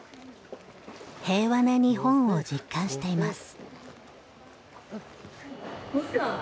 平和な日本を実感しています。